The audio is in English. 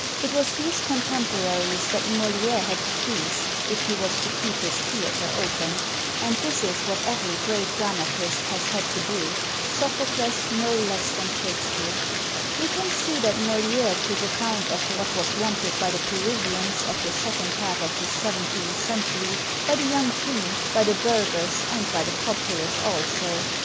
It was these contemporaries that Moliere had to please, if he was to keep his theater open ; and this is what every great dramatist has had to do, Sophocles no less than Shakspere. We can see that Moliere took account of what was wanted by the Parisians of the second half of the seventeenth century, by the young King, by the burghers, and by the populace also.